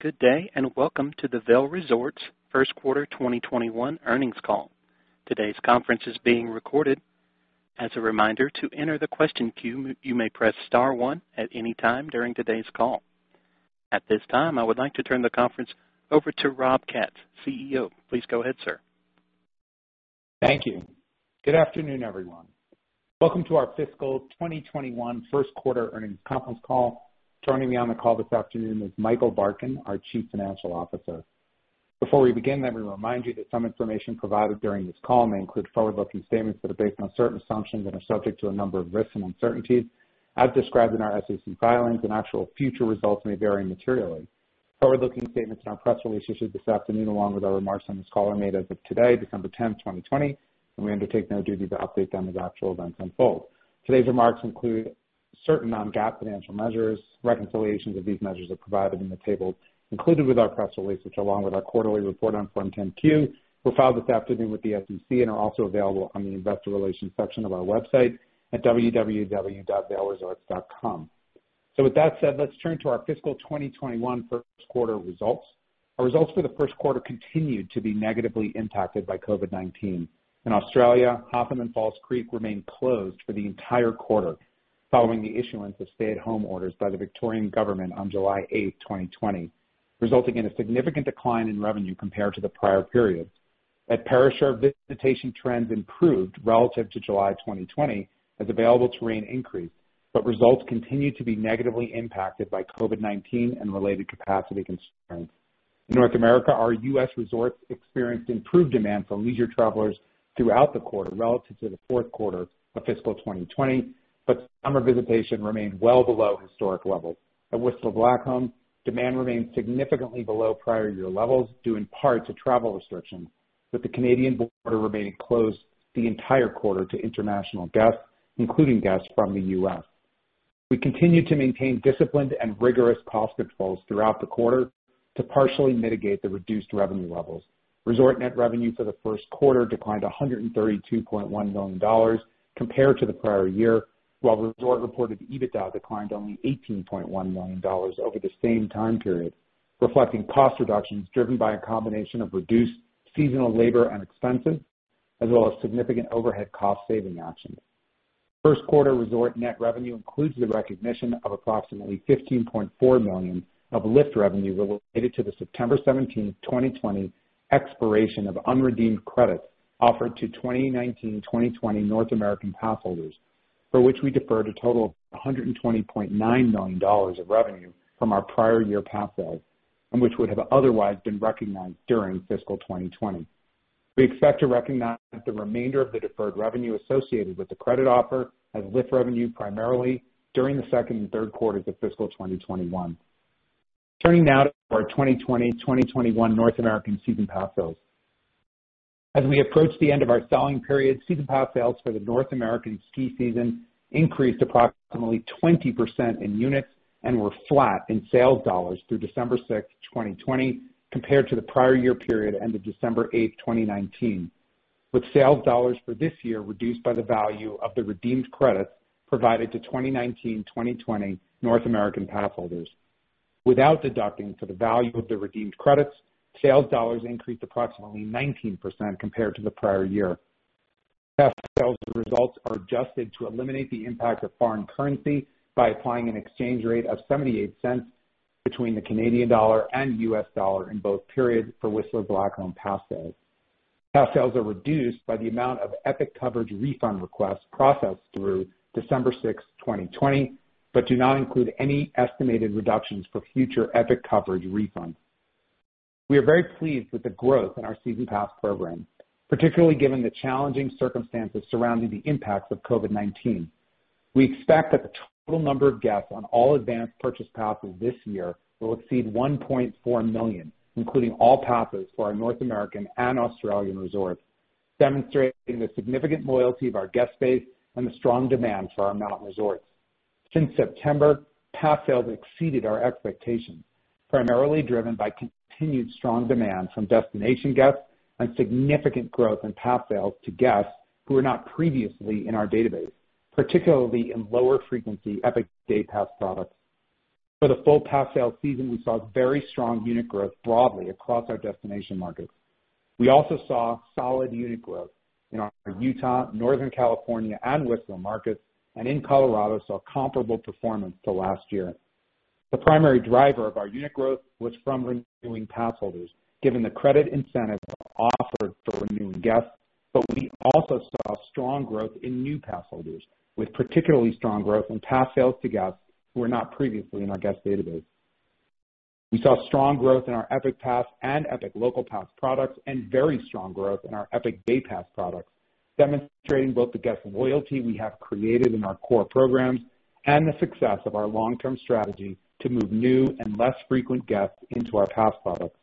Good day and welcome to the Vail Resorts Q1 2021 Earnings Call. Today's conference is being recorded. As a reminder to enter the question queue, you may press star one at any time during today's call. At this time, I would like to turn the conference over to Rob Katz, CEO. Please go ahead, sir. Thank you. Good afternoon, everyone. Welcome to our Fiscal 2021 Q1 Earnings Conference Call. Joining me on the call this afternoon is Michael Barkin, our Chief Financial Officer. Before we begin, let me remind you that some information provided during this call may include forward-looking statements that are based on certain assumptions and are subject to a number of risks and uncertainties, as described in our SEC filings, and actual future results may vary materially. Forward-looking statements in our press releases this afternoon, along with our remarks on this call, are made as of today, December 10, 2020, and we undertake no duty to update them as actual events unfold. Today's remarks include certain non-GAAP financial measures. Reconciliations of these measures are provided in the table included with our press release, which, along with our quarterly report on Form 10-Q, were filed this afternoon with the SEC and are also available on the investor relations section of our website at www.vailresorts.com. With that said, let's turn to our fiscal 2021 Q1 results. Our results for the Q1 continued to be negatively impacted by COVID-19. In Australia, Hotham and Falls Creek remained closed for the entire quarter, following the issuance of stay-at-home orders by the Victorian Government on July 8, 2020, resulting in a significant decline in revenue compared to the prior period. At Perisher, visitation trends improved relative to July 2020, as available terrain increased, but results continued to be negatively impacted by COVID-19 and related capacity concerns. In North America, our U.S. resorts experienced improved demand from leisure travelers throughout the quarter relative to the Q4 of fiscal 2020, but summer visitation remained well below historic levels. At Whistler Blackcomb, demand remained significantly below prior year levels, due in part to travel restrictions, with the Canadian border remaining closed the entire quarter to international guests, including guests from the U.S. We continued to maintain disciplined and rigorous cost controls throughout the quarter to partially mitigate the reduced revenue levels. Resort net revenue for the Q1 declined $132.1 million compared to the prior year, while Resort Reported EBITDA declined only $18.1 million over the same time period, reflecting cost reductions driven by a combination of reduced seasonal labor and expenses, as well as significant overhead cost saving actions. Q1 Resort net revenue includes the recognition of approximately $15.4 million of lift revenue related to the September 17, 2020, expiration of unredeemed credits offered to 2019-2020 North American pass holders, for which we deferred a total of $120.9 million of revenue from our prior year pass sales and which would have otherwise been recognized during fiscal 2020. We expect to recognize the remainder of the deferred revenue associated with the credit offer as lift revenue primarily during the Q2 and Q3 of fiscal 2021. Turning now to our 2020-2021 North American season pass sales. As we approach the end of our selling period, season pass sales for the North American ski season increased approximately 20% in units and were flat in sales dollars through December 6, 2020, compared to the prior year period ended December 8, 2019, with sales dollars for this year reduced by the value of the redeemed credits provided to 2019-2020 North American pass holders. Without deducting for the value of the redeemed credits, sales dollars increased approximately 19% compared to the prior year. Pass sales results are adjusted to eliminate the impact of foreign currency by applying an exchange rate of 78 cents between the Canadian dollar and U.S. dollar in both periods for Whistler Blackcomb pass sales. Pass sales are reduced by the amount of Epic Coverage refund requests processed through December 6, 2020, but do not include any estimated reductions for future Epic Coverage refunds. We are very pleased with the growth in our season pass program, particularly given the challenging circumstances surrounding the impacts of COVID-19. We expect that the total number of guests on all advance purchase passes this year will exceed 1.4 million, including all passes for our North American and Australian resorts, demonstrating the significant loyalty of our guest base and the strong demand for our mountain resorts. Since September, pass sales exceeded our expectations, primarily driven by continued strong demand from destination guests and significant growth in pass sales to guests who were not previously in our database, particularly in lower frequency Epic Day Pass products. For the full pass sale season, we saw very strong unit growth broadly across our destination markets. We also saw solid unit growth in our Utah, Northern California, and Whistler markets, and in Colorado saw comparable performance to last year. The primary driver of our unit growth was from renewing pass holders, given the credit incentives offered for renewing guests, but we also saw strong growth in new pass holders, with particularly strong growth in pass sales to guests who were not previously in our guest database. We saw strong growth in our Epic Pass and Epic Local Pass products and very strong growth in our Epic Day Pass products, demonstrating both the guest loyalty we have created in our core programs and the success of our long-term strategy to move new and less frequent guests into our pass products.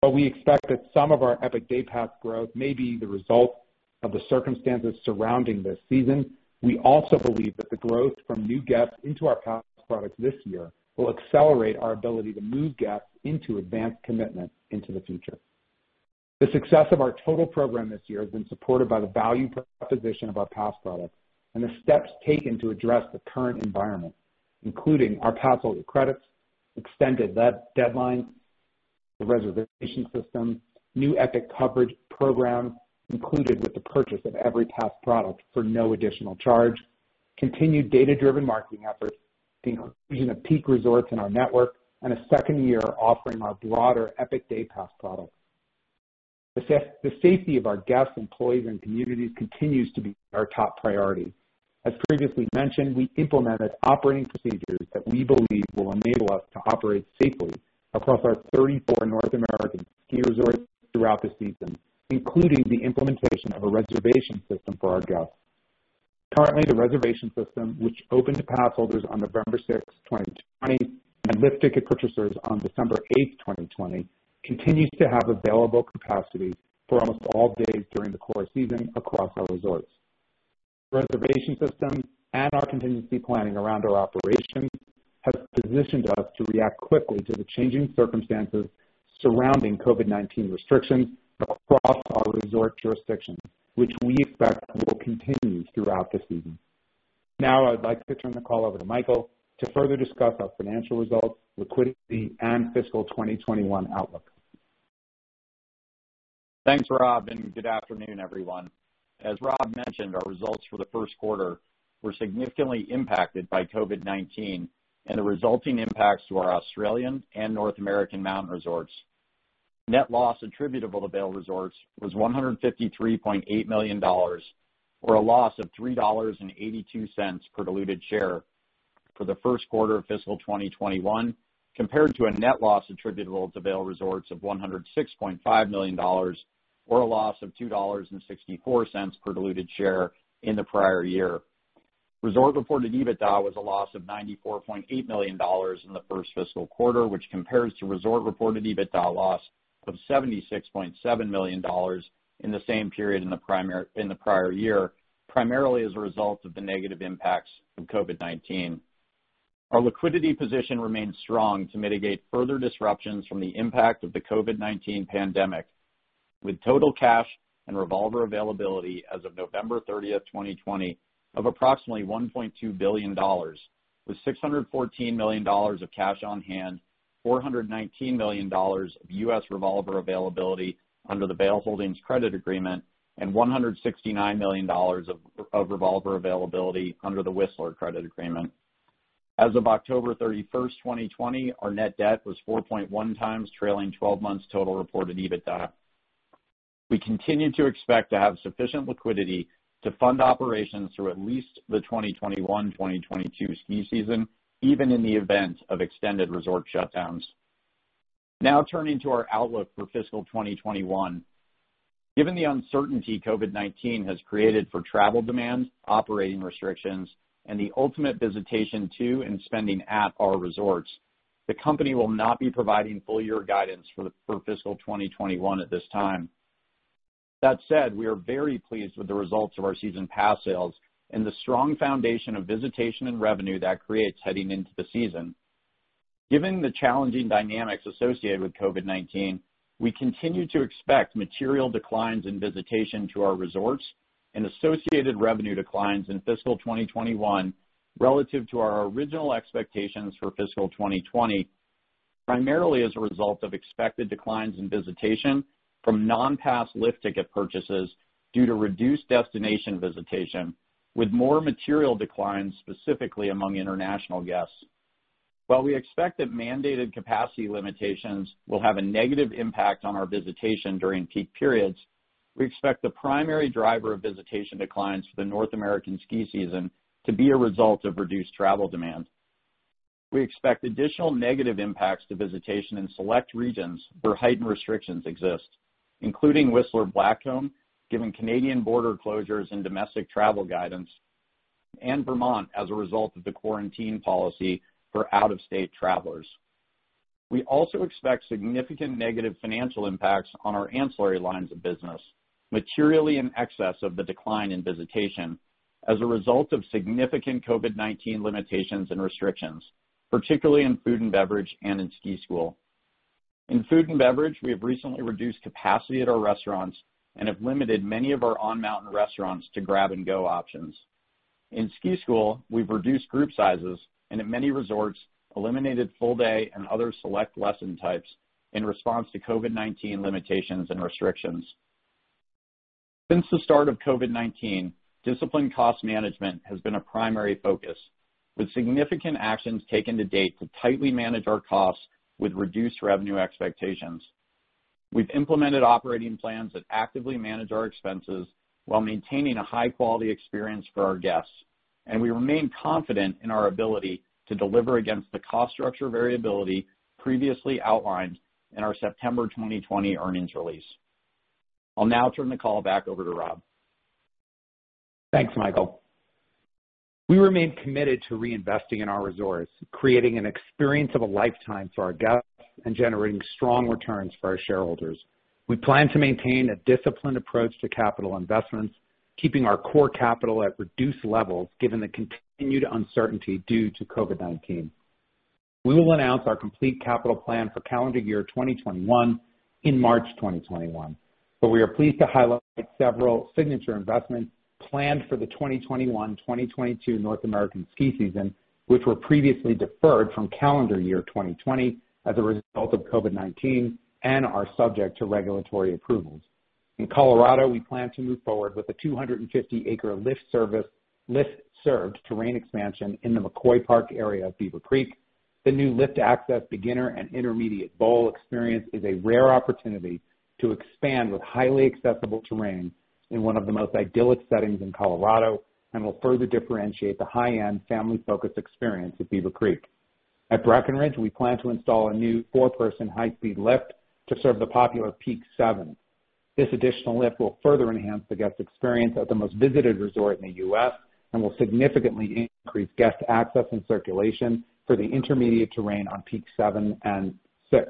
While we expect that some of our Epic Day Pass growth may be the result of the circumstances surrounding this season, we also believe that the growth from new guests into our pass products this year will accelerate our ability to move guests into advance commitments into the future. The success of our total program this year has been supported by the value proposition of our pass products and the steps taken to address the current environment, including our pass holder credits, extended deadlines, the reservation system, new Epic Coverage programs included with the purchase of every pass product for no additional charge, continued data-driven marketing efforts, the inclusion of Peak Resorts in our network, and a second year offering our broader Epic Day Pass products. The safety of our guests, employees, and communities continues to be our top priority. As previously mentioned, we implemented operating procedures that we believe will enable us to operate safely across our 34 North American ski resorts throughout the season, including the implementation of a reservation system for our guests. Currently, the reservation system, which opened to pass holders on November 6, 2020, and lift ticket purchasers on December 8, 2020, continues to have available capacity for almost all days during the core season across our resorts. The reservation system and our contingency planning around our operations have positioned us to react quickly to the changing circumstances surrounding COVID-19 restrictions across our resort jurisdictions, which we expect will continue throughout the season. Now, I'd like to turn the call over to Michael to further discuss our financial results, liquidity, and fiscal 2021 outlook. Thanks, Rob, and good afternoon, everyone. As Rob mentioned, our results for the Q1 were significantly impacted by COVID-19 and the resulting impacts to our Australian and North American mountain resorts. Net loss attributable to Vail Resorts was $153.8 million, or a loss of $3.82 per diluted share for the Q1 of fiscal 2021, compared to a net loss attributable to Vail Resorts of $106.5 million, or a loss of $2.64 per diluted share in the prior year. Resort Reported EBITDA was a loss of $94.8 million in the first fiscal quarter, which compares to Resort Reported EBITDA loss of $76.7 million in the same period in the prior year, primarily as a result of the negative impacts of COVID-19. Our liquidity position remained strong to mitigate further disruptions from the impact of the COVID-19 pandemic, with total cash and revolver availability as of November 30, 2020, of approximately $1.2 billion, with $614 million of cash on hand, $419 million of U.S. revolver availability under the Vail Holdings credit agreement, and $169 million of revolver availability under the Whistler credit agreement. As of October 31, 2020, our net debt was 4.1 times trailing 12 months total reported EBITDA. We continue to expect to have sufficient liquidity to fund operations through at least the 2021-2022 ski season, even in the event of extended resort shutdowns. Now, turning to our outlook for fiscal 2021. Given the uncertainty COVID-19 has created for travel demands, operating restrictions, and the ultimate visitation to and spending at our resorts, the company will not be providing full year guidance for fiscal 2021 at this time. That said, we are very pleased with the results of our season pass sales and the strong foundation of visitation and revenue that creates heading into the season. Given the challenging dynamics associated with COVID-19, we continue to expect material declines in visitation to our resorts and associated revenue declines in fiscal 2021 relative to our original expectations for fiscal 2020, primarily as a result of expected declines in visitation from non-pass lift ticket purchases due to reduced destination visitation, with more material declines specifically among international guests. While we expect that mandated capacity limitations will have a negative impact on our visitation during peak periods, we expect the primary driver of visitation declines for the North American ski season to be a result of reduced travel demands. We expect additional negative impacts to visitation in select regions where heightened restrictions exist, including Whistler Blackcomb, given Canadian border closures and domestic travel guidance, and Vermont as a result of the quarantine policy for out-of-state travelers. We also expect significant negative financial impacts on our ancillary lines of business, materially in excess of the decline in visitation as a result of significant COVID-19 limitations and restrictions, particularly in food and beverage and in ski school. In food and beverage, we have recently reduced capacity at our restaurants and have limited many of our on-mountain restaurants to grab-and-go options. In ski school, we've reduced group sizes and, at many resorts, eliminated full-day and other select lesson types in response to COVID-19 limitations and restrictions. Since the start of COVID-19, disciplined cost management has been a primary focus, with significant actions taken to date to tightly manage our costs with reduced revenue expectations. We've implemented operating plans that actively manage our expenses while maintaining a high-quality experience for our guests, and we remain confident in our ability to deliver against the cost structure variability previously outlined in our September 2020 earnings release. I'll now turn the call back over to Rob. Thanks, Michael. We remain committed to reinvesting in our resorts, creating an experience of a lifetime for our guests and generating strong returns for our shareholders. We plan to maintain a disciplined approach to capital investments, keeping our core capital at reduced levels given the continued uncertainty due to COVID-19. We will announce our complete capital plan for calendar year 2021 in March 2021, but we are pleased to highlight several signature investments planned for the 2021-2022 North American ski season, which were previously deferred from calendar year 2020 as a result of COVID-19 and are subject to regulatory approvals. In Colorado, we plan to move forward with a 250-acre lift-served terrain expansion in the McCoy Park area of Beaver Creek. The new lift access beginner and intermediate bowl experience is a rare opportunity to expand with highly accessible terrain in one of the most idyllic settings in Colorado and will further differentiate the high-end family-focused experience at Beaver Creek. At Breckenridge, we plan to install a new four-person high-speed lift to serve the popular Peak 7. This additional lift will further enhance the guest experience at the most visited resort in the U.S. and will significantly increase guest access and circulation for the intermediate terrain on Peak 7 and 6.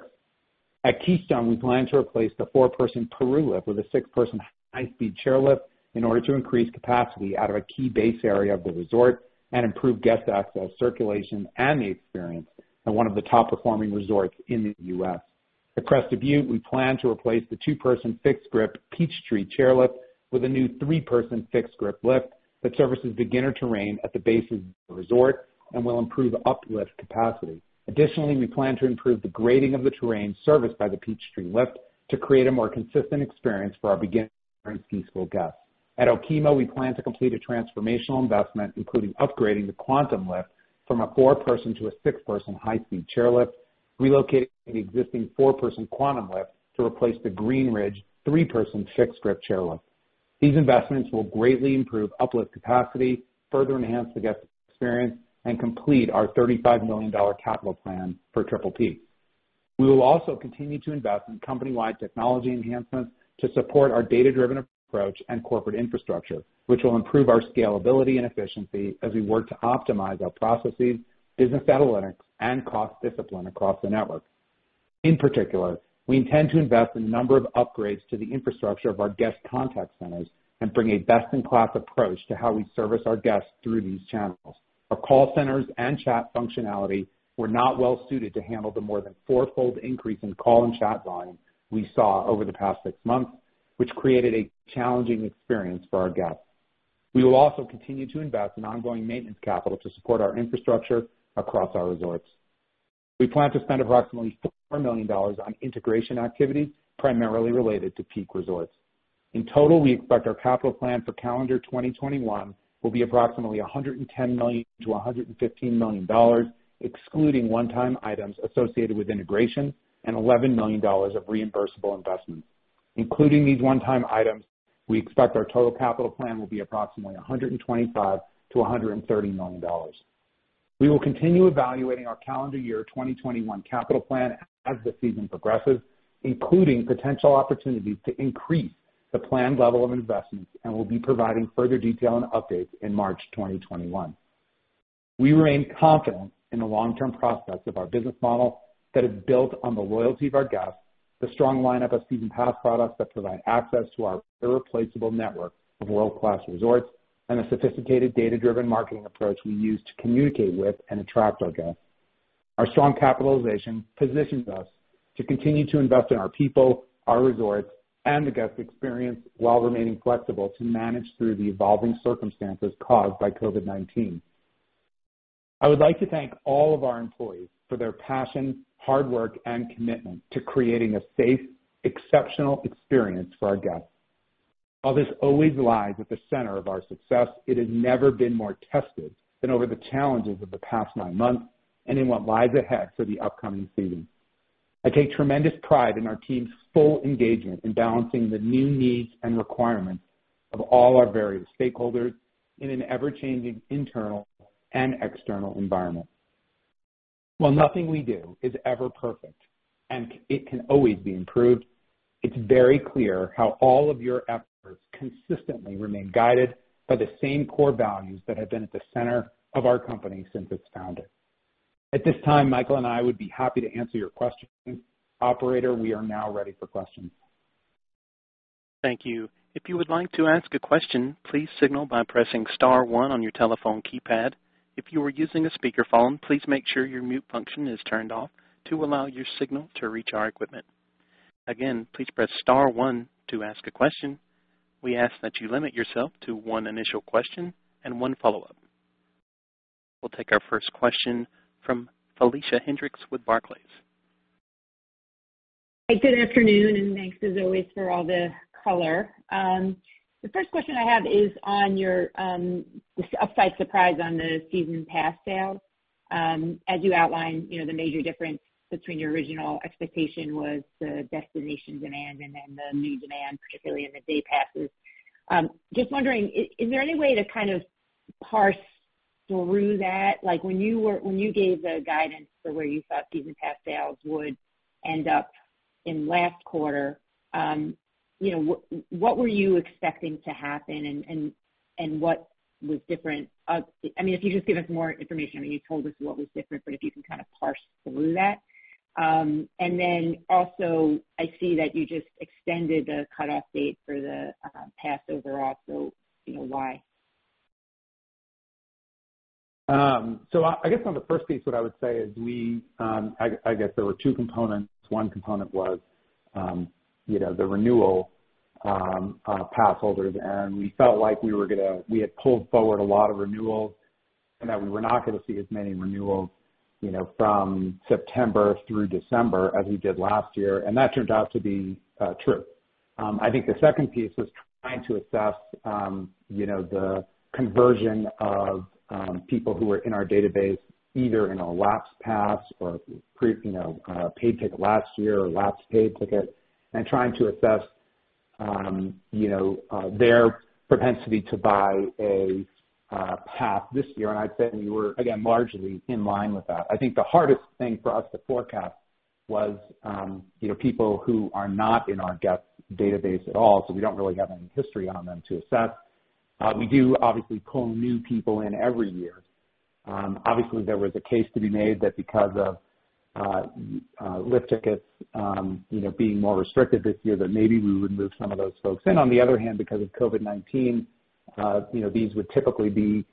At Keystone, we plan to replace the four-person Peru lift with a six-person high-speed chairlift in order to increase capacity out of a key base area of the resort and improve guest access, circulation, and the experience at one of the top-performing resorts in the U.S.. At Crested Butte, we plan to replace the two-person fixed grip Peachtree chairlift with a new three-person fixed grip lift that services beginner terrain at the base of the resort and will improve uplift capacity. Additionally, we plan to improve the grading of the terrain serviced by the Peachtree lift to create a more consistent experience for our beginner and ski school guests. At Okemo, we plan to complete a transformational investment, including upgrading the Quantum lift from a four-person to a six-person high-speed chairlift, relocating the existing four-person Quantum lift to replace the Green Ridge three-person fixed grip chairlift. These investments will greatly improve uplift capacity, further enhance the guest experience, and complete our $35 million capital plan for Triple Peaks. We will also continue to invest in company-wide technology enhancements to support our data-driven approach and corporate infrastructure, which will improve our scalability and efficiency as we work to optimize our processes, business analytics, and cost discipline across the network. In particular, we intend to invest in a number of upgrades to the infrastructure of our guest contact centers and bring a best-in-class approach to how we service our guests through these channels. Our call centers and chat functionality were not well-suited to handle the more than four-fold increase in call and chat volume we saw over the past six months, which created a challenging experience for our guests. We will also continue to invest in ongoing maintenance capital to support our infrastructure across our resorts. We plan to spend approximately $4 million on integration activities primarily related to Peak Resorts. In total, we expect our capital plan for calendar 2021 will be approximately $110 to 115 million, excluding one-time items associated with integration, and $11 million of reimbursable investments. Including these one-time items, we expect our total capital plan will be approximately $125 to 130 million. We will continue evaluating our calendar year 2021 capital plan as the season progresses, including potential opportunities to increase the planned level of investments, and we'll be providing further detail and updates in March 2021. We remain confident in the long-term process of our business model that is built on the loyalty of our guests, the strong lineup of season pass products that provide access to our irreplaceable network of world-class resorts, and the sophisticated data-driven marketing approach we use to communicate with and attract our guests. Our strong capitalization positions us to continue to invest in our people, our resorts, and the guest experience while remaining flexible to manage through the evolving circumstances caused by COVID-19. I would like to thank all of our employees for their passion, hard work, and commitment to creating a safe, exceptional experience for our guests. While this always lies at the center of our success, it has never been more tested than over the challenges of the past nine months and in what lies ahead for the upcoming season. I take tremendous pride in our team's full engagement in balancing the new needs and requirements of all our various stakeholders in an ever-changing internal and external environment. While nothing we do is ever perfect and it can always be improved, it's very clear how all of your efforts consistently remain guided by the same core values that have been at the center of our company since its founding. At this time, Michael and I would be happy to answer your questions. Operator, we are now ready for questions. Thank you. If you would like to ask a question, please signal by pressing star one on your telephone keypad. If you are using a speakerphone, please make sure your mute function is turned off to allow your signal to reach our equipment. Again, please press star one to ask a question. We ask that you limit yourself to one initial question and one follow-up. We'll take our first question from Felicia Hendrix with Barclays. Hi, good afternoon, and thanks as always for all the color. The first question I have is on your upside surprise on the season pass sales. As you outlined, the major difference between your original expectation was the destination demand and then the new demand, particularly in the day passes. Just wondering, is there any way to kind of parse through that? When you gave the guidance for where you thought season pass sales would end up in last quarter, what were you expecting to happen and what was different? I mean, if you just give us more information, I mean, you told us what was different, but if you can kind of parse through that. Then also, I see that you just extended the cutoff date for the pass overall, so why? So I guess on the first piece, what I would say is I guess there were two components. One component was the renewal pass holders, and we felt like we were going to—we had pulled forward a lot of renewals and that we were not going to see as many renewals from September through December as we did last year, and that turned out to be true. I think the second piece was trying to assess the conversion of people who were in our database, either in a lapsed pass or paid ticket last year or lapsed paid ticket, and trying to assess their propensity to buy a pass this year. I'd say we were, again, largely in line with that. I think the hardest thing for us to forecast was people who are not in our guest database at all, so we don't really have any history on them to assess. We do obviously pull new people in every year. Obviously, there was a case to be made that because of lift tickets being more restricted this year, that maybe we would move some of those folks in. On the other hand, because of COVID-19, these would typically be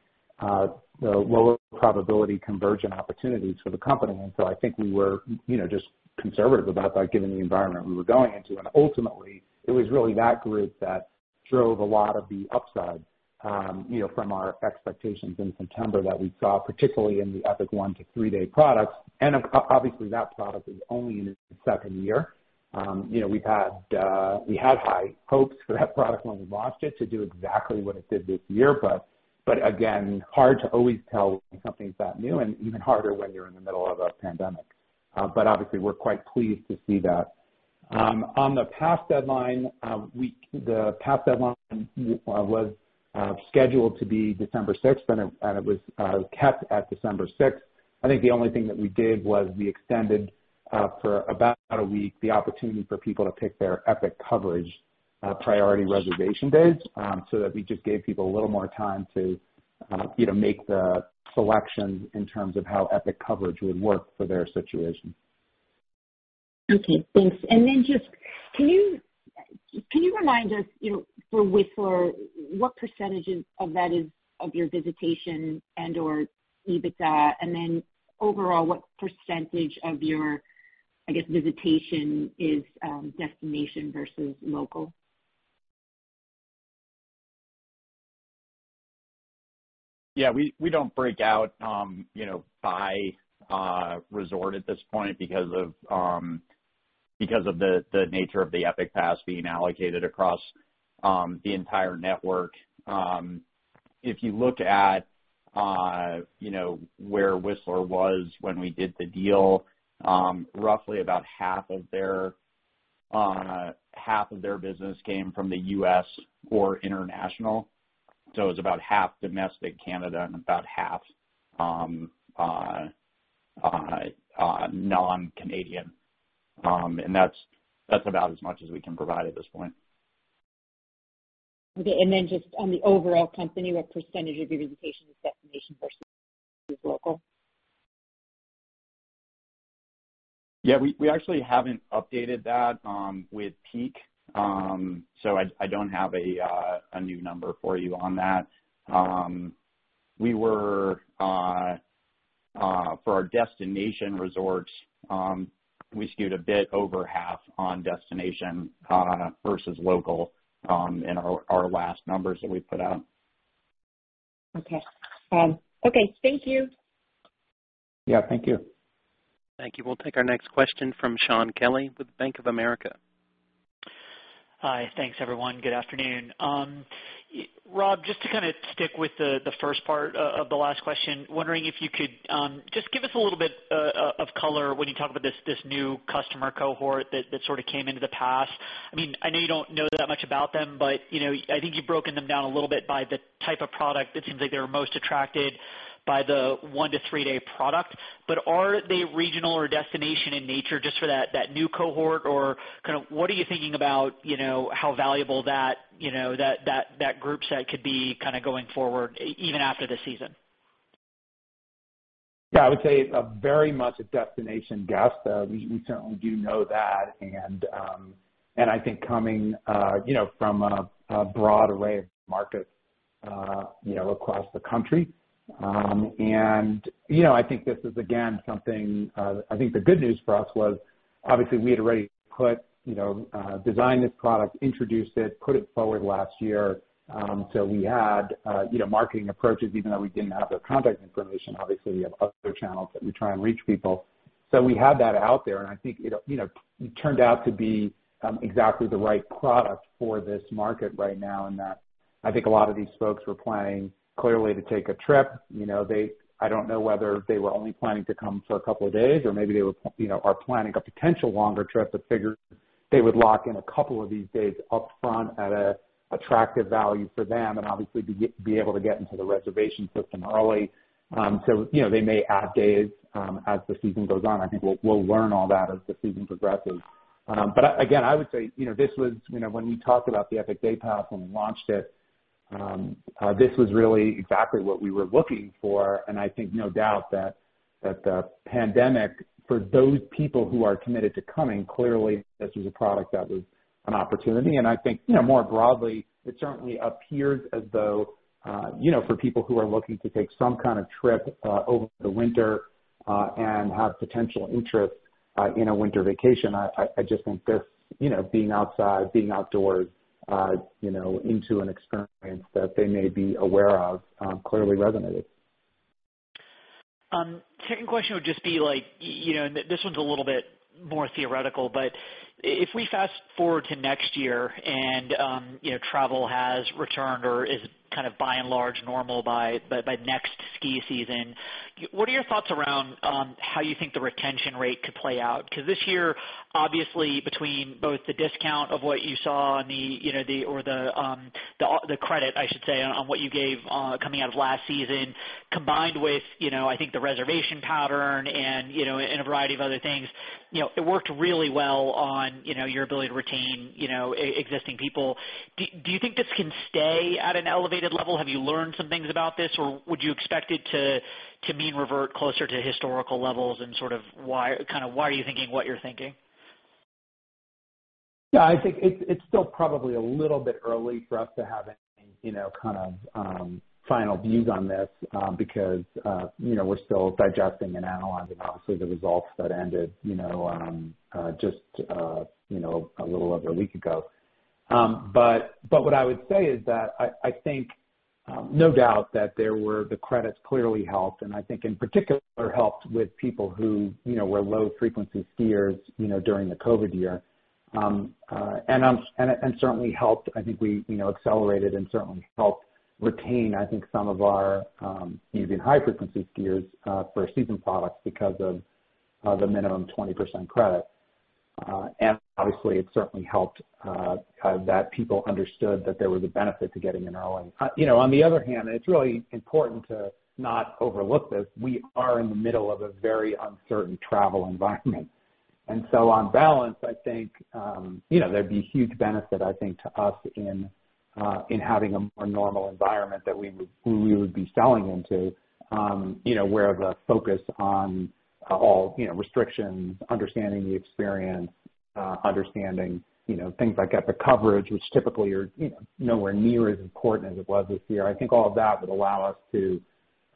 the lower probability conversion opportunities for the company and so I think we were just conservative about that given the environment we were going into. Ultimately, it was really that group that drove a lot of the upside from our expectations in September that we saw, particularly in the Epic one to three-day products and obviously, that product is only in its second year. We had high hopes for that product when we launched it to do exactly what it did this year, but again, hard to always tell when something's that new and even harder when you're in the middle of a pandemic. But obviously, we're quite pleased to see that. On the pass deadline, the pass deadline was scheduled to be December 6, and it was kept at December 6. I think the only thing that we did was we extended for about a week the opportunity for people to pick their Epic Coverage priority reservation days so that we just gave people a little more time to make the selections in terms of how Epic Coverage would work for their situation. Okay. Thanks. Then just can you remind us for Whistler, what percentage of that is of your visitation and/or EBITDA? Then overall, what percentage of your, I guess, visitation is destination versus local? Yeah. We don't break out by resort at this point because of the nature of the Epic Pass being allocated across the entire network. If you look at where Whistler was when we did the deal, roughly about half of their business came from the U.S. or international, so it was about half domestic Canada and about half non-Canadian, and that's about as much as we can provide at this point. Okay, and then just on the overall company, what percentage of your visitation is destination versus local? Yeah. We actually haven't updated that with Peak, so I don't have a new number for you on that. For our destination resorts, we skewed a bit over half on destination versus local in our last numbers that we put out. Okay. Okay. Thank you. Yeah. Thank you. Thank you. We'll take our next question from Shaun Kelley with Bank of America. Hi. Thanks, everyone. Good afternoon. Rob, just to kind of stick with the first part of the last question, wondering if you could just give us a little bit of color when you talk about this new customer cohort that sort of came into the pass. I mean, I know you don't know that much about them, but I think you've broken them down a little bit by the type of product. It seems like they were most attracted by the one to three-day product. But are they regional or destination in nature just for that new cohort? Or kind of what are you thinking about how valuable that groupset could be kind of going forward even after the season? Yeah. I would say very much a destination guest. We certainly do know that, and I think coming from a broad array of markets across the country, and I think this is, again, something I think the good news for us was. Obviously, we had already designed this product, introduced it, put it forward last year, so we had marketing approaches, even though we didn't have their contact information. Obviously, we have other channels that we try and reach people, so we had that out there, and I think it turned out to be exactly the right product for this market right now in that I think a lot of these folks were planning clearly to take a trip. I don't know whether they were only planning to come for a couple of days or maybe they are planning a potential longer trip but figured they would lock in a couple of these days upfront at an attractive value for them and obviously be able to get into the reservation system early, so they may add days as the season goes on. I think we'll learn all that as the season progresses. But again, I would say this was when we talked about the Epic Day Pass when we launched it, this was really exactly what we were looking for and I think no doubt that the pandemic, for those people who are committed to coming, clearly this was a product that was an opportunity. I think more broadly, it certainly appears as though for people who are looking to take some kind of trip over the winter and have potential interest in a winter vacation, I just think this being outside, being outdoors into an experience that they may be aware of clearly resonated. Second question would just be, and this one's a little bit more theoretical, but if we fast forward to next year and travel has returned or is kind of by and large normal by next ski season, what are your thoughts around how you think the retention rate could play out? Because this year, obviously, between both the discount of what you saw on the, or the credit, I should say, on what you gave coming out of last season, combined with, I think, the reservation pattern and a variety of other things, it worked really well on your ability to retain existing people. Do you think this can stay at an elevated level? Have you learned some things about this or would you expect it to mean revert closer to historical levels, and sort of kind of why are you thinking what you're thinking? Yeah. I think it's still probably a little bit early for us to have any kind of final views on this because we're still digesting and analyzing, obviously, the results that ended just a little over a week ago. But what I would say is that I think no doubt that there were the credits clearly helped and I think in particular helped with people who were low-frequency skiers during the COVID year and certainly helped. I think we accelerated and certainly helped retain, I think, some of our even high-frequency skiers for season products because of the minimum 20% credit. Obviously, it certainly helped that people understood that there was a benefit to getting in early. On the other hand, and it's really important to not overlook this, we are in the middle of a very uncertain travel environment. So on balance, I think there'd be huge benefit, I think, to us in having a more normal environment that we would be selling into where the focus on all restrictions, understanding the experience, understanding things like Epic Coverage, which typically are nowhere near as important as it was this year. I think all of that would allow us to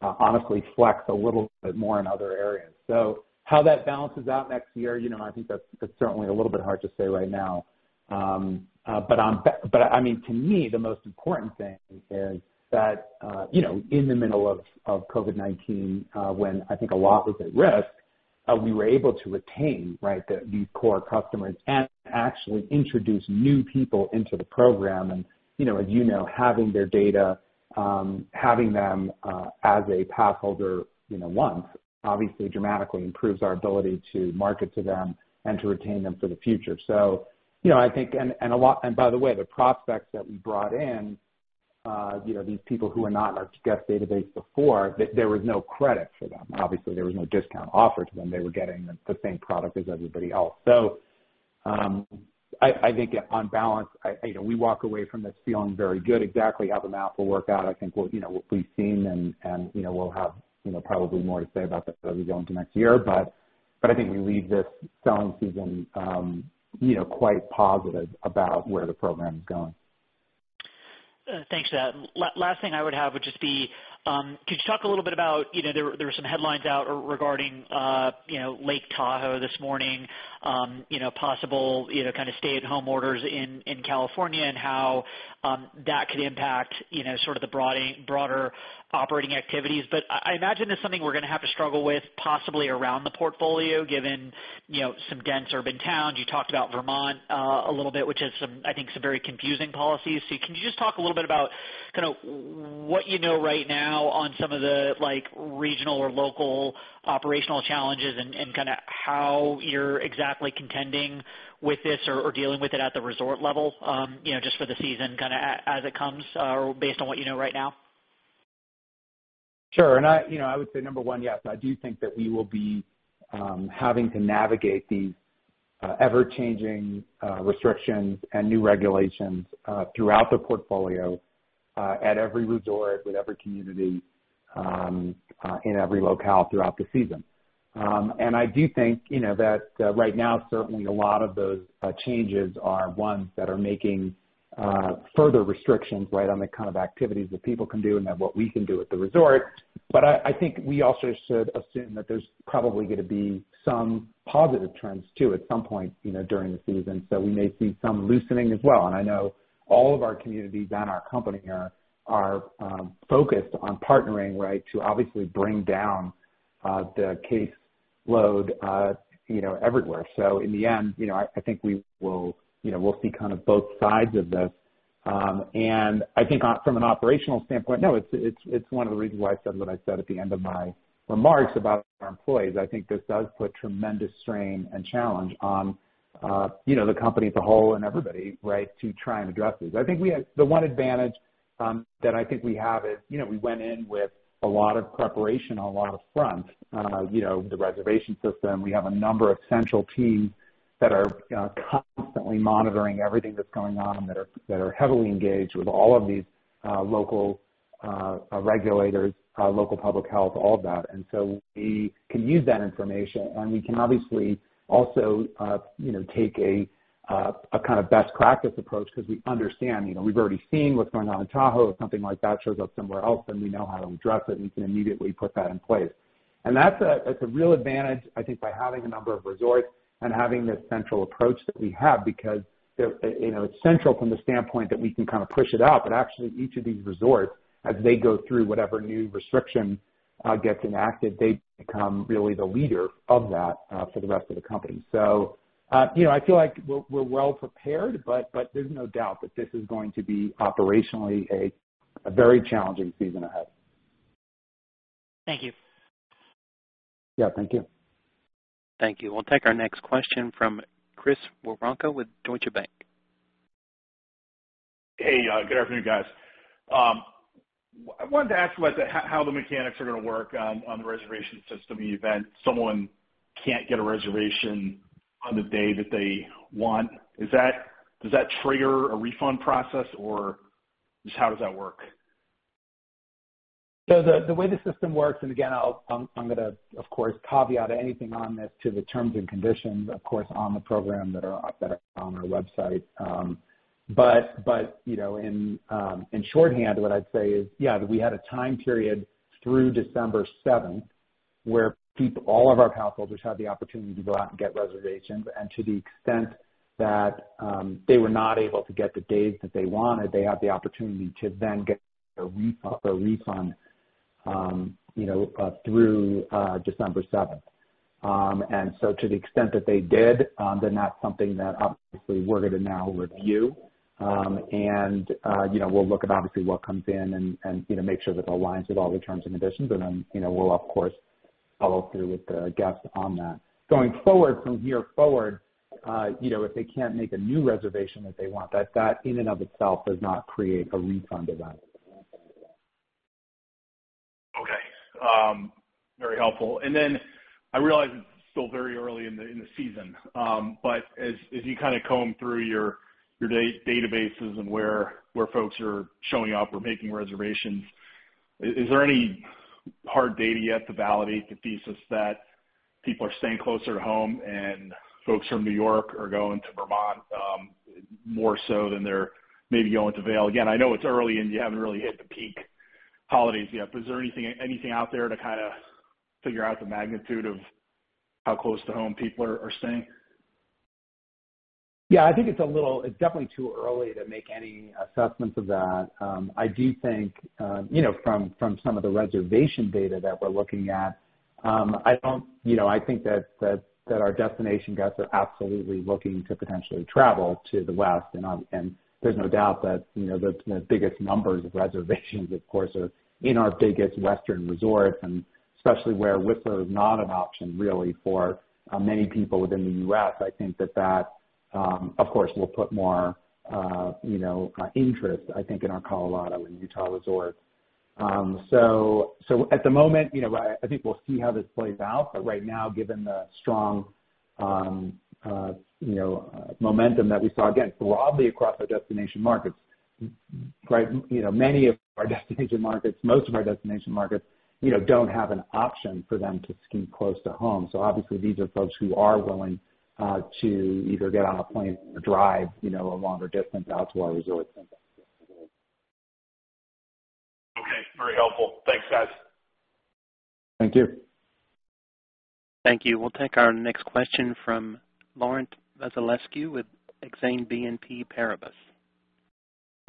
honestly flex a little bit more in other areas. So how that balances out next year, I think that's certainly a little bit hard to say right now. But I mean, to me, the most important thing is that in the middle of COVID-19, when I think a lot was at risk, we were able to retain, right, these core customers and actually introduce new people into the program. As you know, having their data, having them as a pass holder once, obviously dramatically improves our ability to market to them and to retain them for the future. So I think, and by the way, the prospects that we brought in, these people who were not in our guest database before, there was no credit for them. Obviously, there was no discount offered to them. They were getting the same product as everybody else. So I think on balance, we walk away from this feeling very good. Exactly how the math will work out, I think we'll be seeing and we'll have probably more to say about that as we go into next year. But I think we leave this selling season quite positive about where the program is going. Thanks for that. Last thing I would have just be, could you talk a little bit about, there were some headlines out regarding Lake Tahoe this morning, possible kind of stay-at-home orders in California and how that could impact sort of the broader operating activities, but I imagine this is something we're going to have to struggle with possibly around the portfolio given some dense urban towns. You talked about Vermont a little bit, which has, I think, some very confusing policies, so can you just talk a little bit about kind of what you know right now on some of the regional or local operational challenges and kind of how you're exactly contending with this or dealing with it at the resort level just for the season kind of as it comes or based on what you know right now? Sure, and I would say number one, yes, I do think that we will be having to navigate these ever-changing restrictions and new regulations throughout the portfolio at every resort, with every community, in every locale throughout the season. I do think that right now, certainly a lot of those changes are ones that are making further restrictions right on the kind of activities that people can do and then what we can do at the resort. But I think we also should assume that there's probably going to be some positive trends too at some point during the season. So we may see some loosening as well, and I know all of our communities and our company are focused on partnering, right, to obviously bring down the case load everywhere. So in the end, I think we'll see kind of both sides of this. I think from an operational standpoint, no, it's one of the reasons why I said what I said at the end of my remarks about our employees. I think this does put tremendous strain and challenge on the company as a whole and everybody, right, to try and address these. I think the one advantage that I think we have is we went in with a lot of preparation on a lot of fronts. The reservation system, we have a number of central teams that are constantly monitoring everything that's going on and that are heavily engaged with all of these local regulators, local public health, all of that and so we can use that information. We can obviously also take a kind of best practice approach because we understand we've already seen what's going on in Tahoe. If something like that shows up somewhere else, then we know how to address it. We can immediately put that in place. That's a real advantage, I think, by having a number of resorts and having this central approach that we have because it's central from the standpoint that we can kind of push it out. But actually, each of these resorts, as they go through whatever new restriction gets enacted, they become really the leader of that for the rest of the company. So I feel like we're well prepared, but there's no doubt that this is going to be operationally a very challenging season ahead. Thank you. Yeah. Thank you. Thank you. We'll take our next question from Chris Woronka with Deutsche Bank. Hey. Good afternoon, guys. I wanted to ask about how the mechanics are going to work on the reservation system even if someone can't get a reservation on the day that they want. Does that trigger a refund process or just how does that work? So the way the system works, and again, I'm going to, of course, caveat anything on this to the terms and conditions, of course, on the program that are on our website. But in shorthand, what I'd say is, yeah, we had a time period through December 7th where all of our pass holders had the opportunity to go out and get reservations and to the extent that they were not able to get the days that they wanted, they had the opportunity to then get a refund through December 7th. So to the extent that they did, then that's something that obviously we're going to now review and we'll look at obviously what comes in and make sure that it aligns with all the terms and conditions and then we'll, of course, follow through with the guests on that. Going forward, if they can't make a new reservation that they want, that in and of itself does not create a refund event. Okay. Very helpful. Then I realize it's still very early in the season. But as you kind of comb through your databases and where folks are showing up or making reservations, is there any hard data yet to validate the thesis that people are staying closer to home and folks from New York are going to Vermont more so than they're maybe going to Vail? Again, I know it's early and you haven't really hit the peak holidays yet. But is there anything out there to kind of figure out the magnitude of how close to home people are staying? Yeah. I think it's a little. It's definitely too early to make any assessments of that. I do think from some of the reservation data that we're looking at, I think that our destination guests are absolutely looking to potentially travel to the West, and there's no doubt that the biggest numbers of reservations, of course, are in our biggest western resorts, and especially where Whistler is not an option really for many people within the U.S. I think that that, of course, will put more interest, I think, in our Colorado and Utah resorts. So at the moment, I think we'll see how this plays out. But right now, given the strong momentum that we saw, again, broadly across our destination markets, right, many of our destination markets, most of our destination markets don't have an option for them to ski close to home. So obviously, these are folks who are willing to either get on a plane or drive a longer distance out to our resorts. Okay. Very helpful. Thanks, guys. Thank you. Thank you. We'll take our next question from Laurent Vasilescu with Exane BNP Paribas.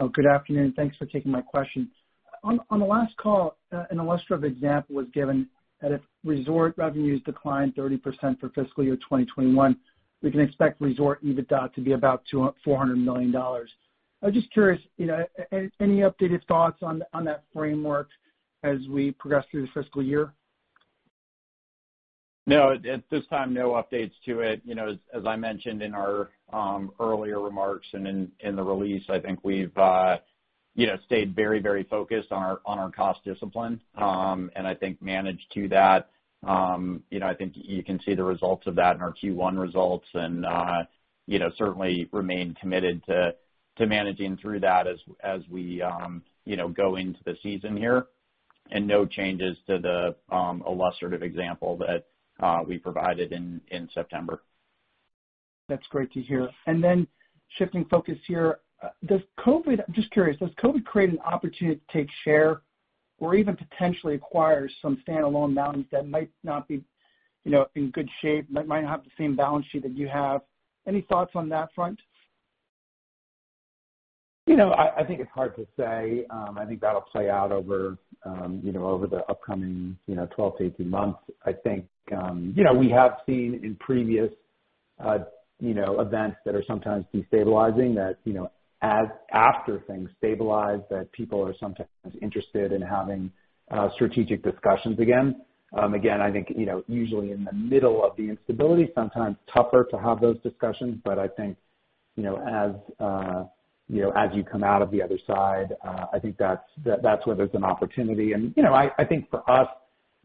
Oh, good afternoon. Thanks for taking my question. On the last call, an illustrative example was given that if resort revenues decline 30% for fiscal year 2021, we can expect Resort EBITDA to be about $400 million. I was just curious, any updated thoughts on that framework as we progress through the fiscal year? No. At this time, no updates to it. As I mentioned in our earlier remarks and in the release, I think we've stayed very, very focused on our cost discipline and I think managed to that. I think you can see the results of that in our Q1 results and certainly remain committed to managing through that as we go into the season here, and no changes to the illustrative example that we provided in September. That's great to hear. Then shifting focus here, does COVID - I'm just curious, does COVID create an opportunity to take share or even potentially acquire some standalone mountains that might not be in good shape, might not have the same balance sheet that you have? Any thoughts on that front? I think it's hard to say. I think that'll play out over the upcoming 12 to 18 months. I think we have seen in previous events that are sometimes destabilizing that after things stabilize, that people are sometimes interested in having strategic discussions again. Again, I think usually in the middle of the instability, sometimes tougher to have those discussions. But I think as you come out of the other side, I think that's where there's an opportunity. I think for us,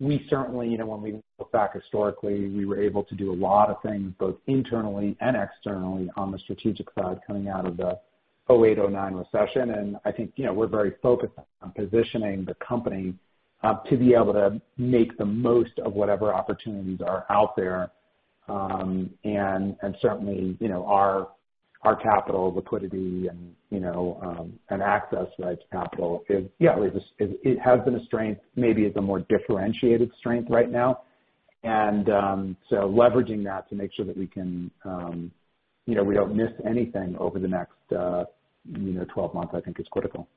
we certainly, when we look back historically, we were able to do a lot of things both internally and externally on the strategic side coming out of the 2008, 2009 recession, and I think we're very focused on positioning the company to be able to make the most of whatever opportunities are out there and certainly, our capital, liquidity, and access to that capital is, yeah, it has been a strength, maybe it's a more differentiated strength right now. So leveraging that to make sure that we can, we don't miss anything over the next 12 months, I think is critical.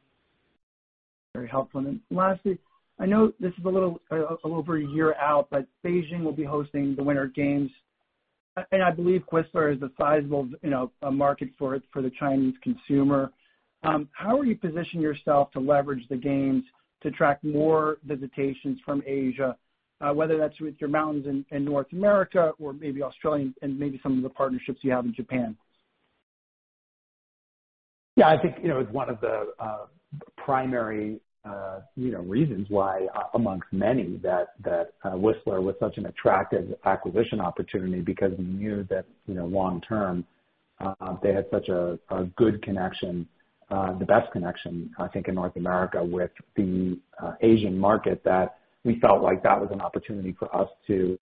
Very helpful. Lastly, I know this is a little over a year out, but Beijing will be hosting the Winter Games and I believe Whistler is a sizable market for the Chinese consumer. How are you positioning yourself to leverage the games to attract more visitations from Asia, whether that's with your mountains in North America or maybe Australia and maybe some of the partnerships you have in Japan? Yeah. I think it's one of the primary reasons why, among many, that Whistler was such an attractive acquisition opportunity because we knew that long-term they had such a good connection, the best connection, I think, in North America with the Asian market that we felt like that was an opportunity for us to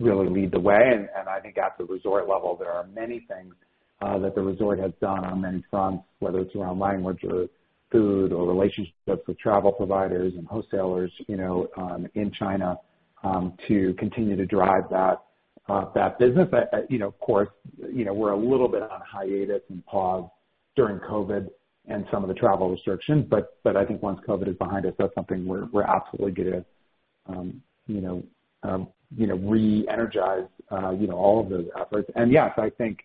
really lead the way. I think at the resort level, there are many things that the resort has done on many fronts, whether it's around language or food or relationships with travel providers and wholesalers in China to continue to drive that business. Of course, we're a little bit on hiatus and pause during COVID and some of the travel restrictions. But I think once COVID is behind us, that's something we're absolutely going to re-energize all of those efforts, and yes, I think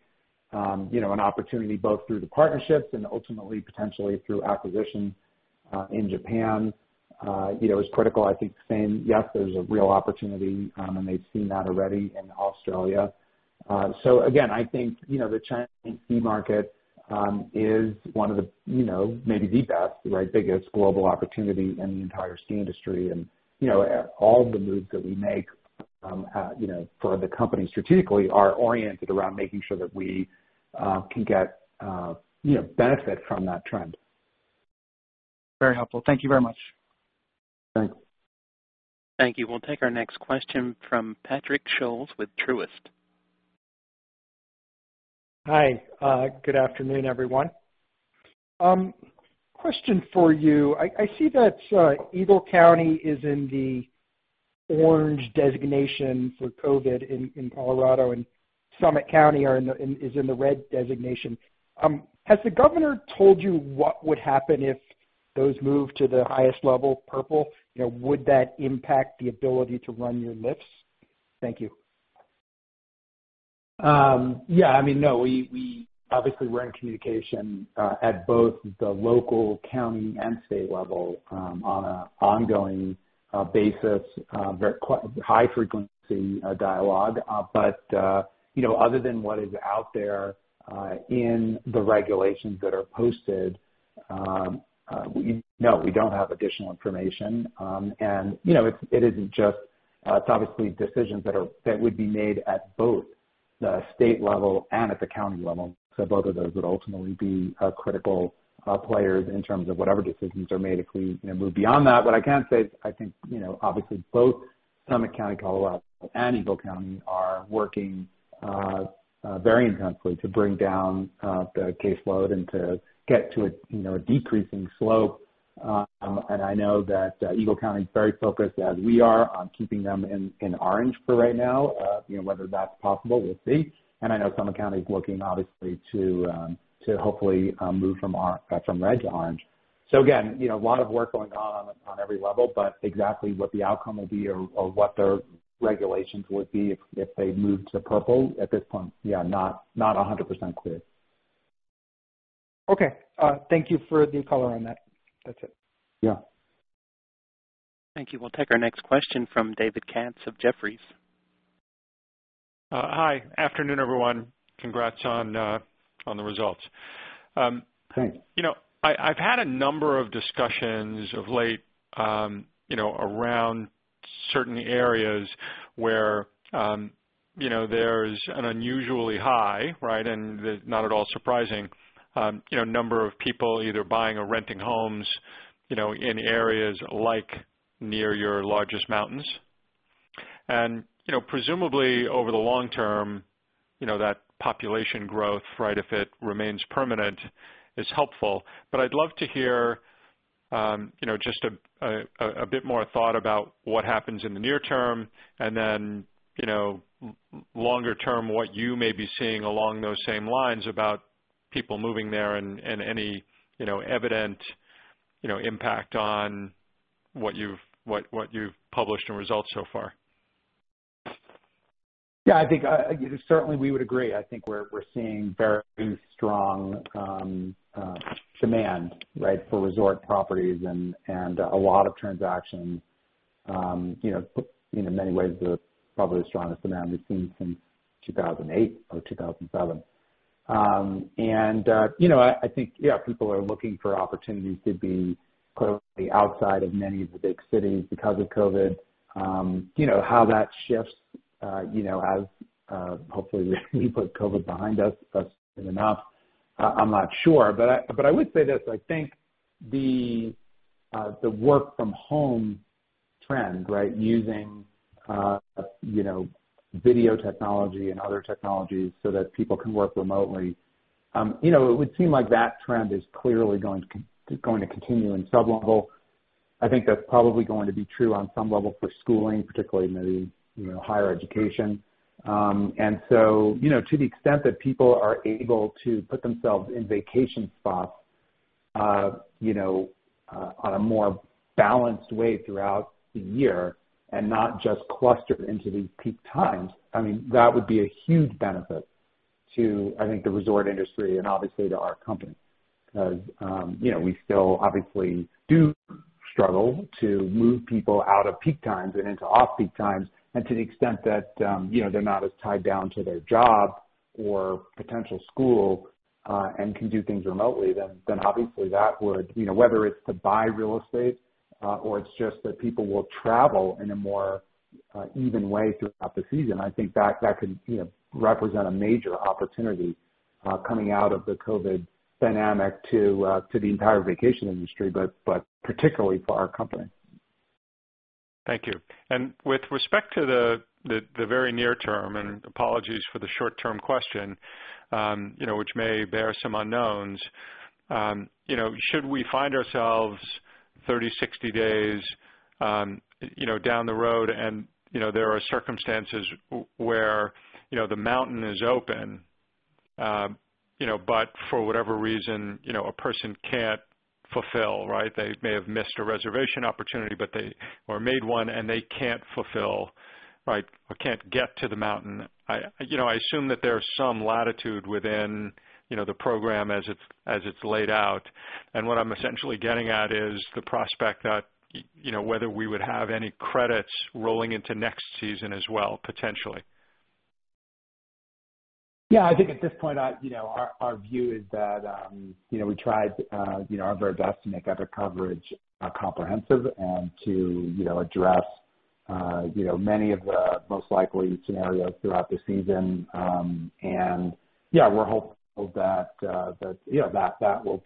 an opportunity both through the partnerships and ultimately potentially through acquisition in Japan is critical. I think, saying, yes, there's a real opportunity, and they've seen that already in Australia. So again, I think the Chinese ski market is one of the maybe best, right, biggest global opportunity in the entire ski industry and all the moves that we make for the company strategically are oriented around making sure that we can get benefit from that trend. Very helpful. Thank you very much. Thanks. Thank you. We'll take our next question from Patrick Scholes with Truist. Hi. Good afternoon, everyone. Question for you. I see that Eagle County is in the orange designation for COVID in Colorado, and Summit County is in the red designation. Has the governor told you what would happen if those move to the highest level, purple? Would that impact the ability to run your lifts? Thank you. Yeah. I mean, no. We obviously were in communication at both the local county and state level on an ongoing basis, high-frequency dialogue. But other than what is out there in the regulations that are posted, no, we don't have additional information and it isn't just, it's obviously decisions that would be made at both the state level and at the county level. So both of those would ultimately be critical players in terms of whatever decisions are made if we move beyond that. What I can say is I think obviously both Summit County, Colorado, and Eagle County are working very intensely to bring down the caseload and to get to a decreasing slope and I know that Eagle County is very focused, as we are, on keeping them in orange for right now. Whether that's possible, we'll see and I know Summit County is looking, obviously, to hopefully move from red to orange. So again, a lot of work going on on every level. But exactly what the outcome will be or what their regulations would be if they move to purple at this point, yeah, not 100% clear. Okay. Thank you for the color on that. That's it. Yeah. Thank you. We'll take our next question from David Katz of Jefferies. Hi. Afternoon, everyone. Congrats on the results. Thanks. I've had a number of discussions of late around certain areas where there's an unusually high, right, and not at all surprising, number of people either buying or renting homes in areas like near your largest mountains, and presumably, over the long term, that population growth, right, if it remains permanent, is helpful, but I'd love to hear just a bit more thought about what happens in the near term and then longer term what you may be seeing along those same lines about people moving there and any evident impact on what you've published in results so far. Yeah. I think certainly we would agree. I think we're seeing very strong demand, right, for resort properties and a lot of transactions. In many ways, probably the strongest demand we've seen since 2008 or 2007. I think, yeah, people are looking for opportunities to be closely outside of many of the big cities because of COVID. How that shifts as hopefully we put COVID behind us soon enough, I'm not sure. But I would say this. I think the work-from-home trend, right, using video technology and other technologies so that people can work remotely, it would seem like that trend is clearly going to continue in some level. I think that's probably going to be true on some level for schooling, particularly maybe higher education. So to the extent that people are able to put themselves in vacation spots on a more balanced way throughout the year and not just clustered into these peak times, I mean, that would be a huge benefit to, I think, the resort industry and obviously to our company because we still obviously do struggle to move people out of peak times and into off-peak times. To the extent that they're not as tied down to their job or potential school and can do things remotely, then obviously that would, whether it's to buy real estate or it's just that people will travel in a more even way throughout the season, I think that could represent a major opportunity coming out of the COVID dynamic to the entire vacation industry, but particularly for our company. Thank you. With respect to the very near term, and apologies for the short-term question, which may bear some unknowns, should we find ourselves 30, 60 days down the road and there are circumstances where the mountain is open, but for whatever reason, a person can't fulfill, right? They may have missed a reservation opportunity or made one and they can't fulfill, right, or can't get to the mountain. I assume that there's some latitude within the program as it's laid out. What I'm essentially getting at is the prospect that whether we would have any credits rolling into next season as well, potentially. Yeah. I think at this point, our view is that we tried our very best to make our Epic Coverage comprehensive and to address many of the most likely scenarios throughout the season. Yeah, we're hopeful that that will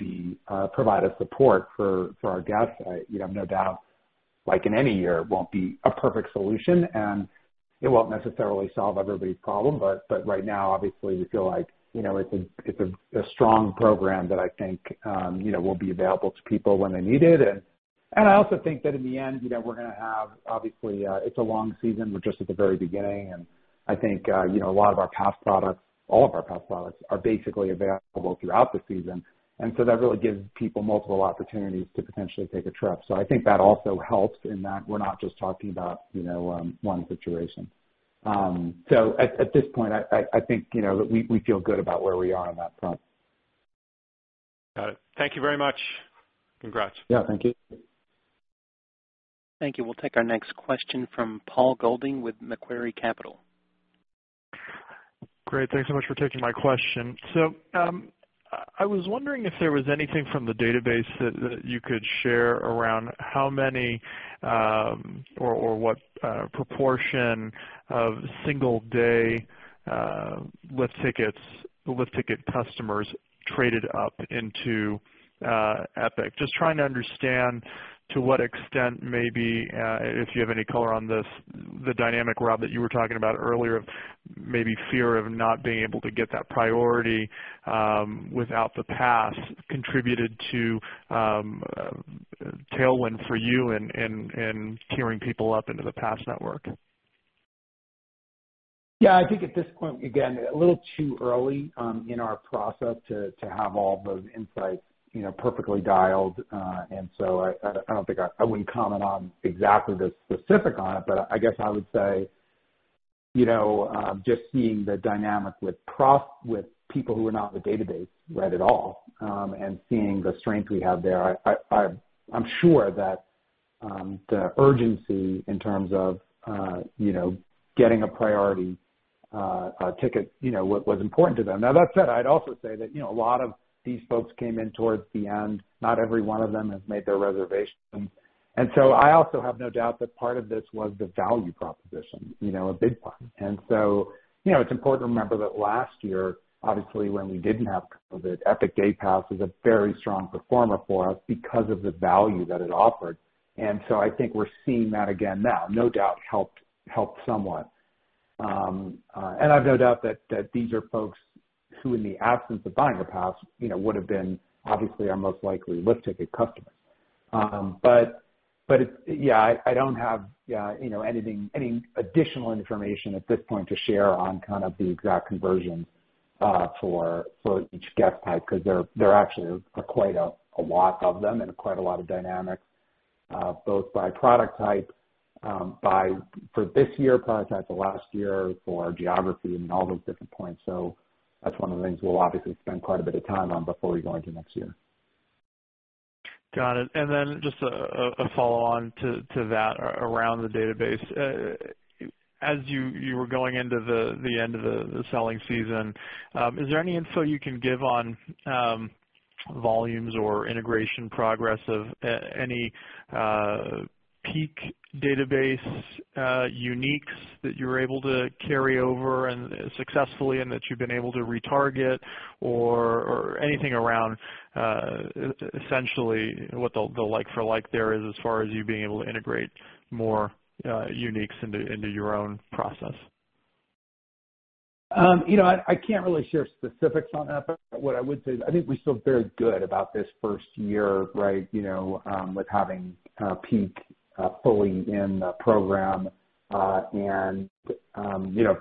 provide support for our guests. No doubt, like in any year, it won't be a perfect solution and it won't necessarily solve everybody's problem. But right now, obviously, we feel like it's a strong program that I think will be available to people when they need it and I also think that in the end, we're going to have obviously, it's a long season. We're just at the very beginning. I think a lot of our pass products, all of our pass products, are basically available throughout the season. So that really gives people multiple opportunities to potentially take a trip. So I think that also helps in that we're not just talking about one situation. So at this point, I think that we feel good about where we are on that front. Got it. Thank you very much. Congrats. Yeah. Thank you. Thank you. We'll take our next question from Paul Golding with Macquarie Capital. Great. Thanks so much for taking my question. So I was wondering if there was anything from the database that you could share around how many or what proportion of single-day lift ticket customers traded up into Epic. Just trying to understand to what extent maybe, if you have any color on this, the dynamic route that you were talking about earlier of maybe fear of not being able to get that priority without the pass contributed to tailwind for you in tiering people up into the pass network. Yeah. I think at this point, again, a little too early in our process to have all those insights perfectly dialed. So I don't think I wouldn't comment on exactly the specific on it. But I guess I would say just seeing the dynamic with people who are not in the database, right, at all, and seeing the strength we have there, I'm sure that the urgency in terms of getting a priority ticket was important to them. Now, that said, I'd also say that a lot of these folks came in towards the end. Not every one of them has made their reservation. So I also have no doubt that part of this was the value proposition, a big part. So it's important to remember that last year, obviously, when we didn't have COVID, Epic Day Pass was a very strong performer for us because of the value that it offered. So I think we're seeing that again now. No doubt helped somewhat, and I have no doubt that these are folks who, in the absence of buying a pass, would have been obviously our most likely lift ticket customers. But yeah, I don't have any additional information at this point to share on kind of the exact conversions for each guest type because there actually are quite a lot of them and quite a lot of dynamics, both by product type, for this year's product type, the last year for geography, and all those different points. So that's one of the things we'll obviously spend quite a bit of time on before we go into next year. Got it. Then just a follow-on to that around the database. As you were going into the end of the selling season, is there any info you can give on volumes or integration progress of any Peak database uniques that you were able to carry over successfully and that you've been able to retarget or anything around essentially what the like-for-like there is as far as you being able to integrate more uniques into your own process? I can't really share specifics on that, but what I would say is I think we're still very good about this first year, right, with having Peak fully in the program and